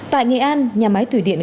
tại nghệ an nhà máy thủy điện